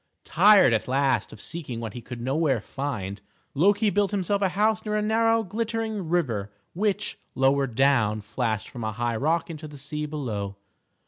Tired at last of seeking what he could nowhere find, Loki built himself a house near a narrow, glittering river which, lower down flashed from a high rock into the sea below.